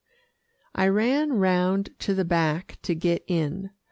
I ran round to the back to get in.